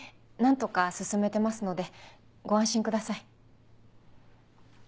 何とか進めてますのでご安心ください。